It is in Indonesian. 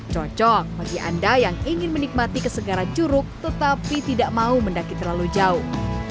cocok bagi anda yang ingin menikmati kesegaran curug tetapi tidak mau mendaki terlalu jauh